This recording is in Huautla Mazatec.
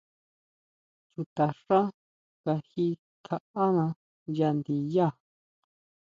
Chuta xá kaji kjaʼána ya ndiyá.